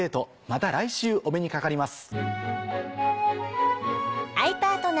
また来週お目にかかります。